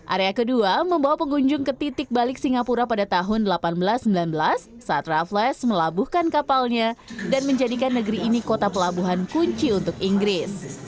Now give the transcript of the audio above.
area kedua membawa pengunjung ke titik balik singapura pada tahun seribu delapan ratus sembilan belas saat raffles melabuhkan kapalnya dan menjadikan negeri ini kota pelabuhan kunci untuk inggris